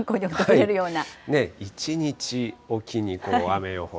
１日おきに雨予報。